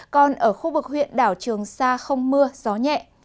còn ở khu vực huyện đảo trường sa không mưa gió nhẹ